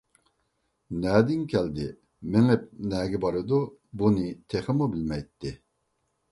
نەدىن كەلدى؟ مېڭىپ نەگە بارىدۇ؟ بۇنى تېخىمۇ بىلمەيتتى.